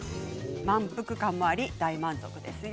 満腹感もあり大満足ですよ。